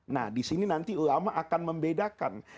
nah disini nanti ulama akan membedakan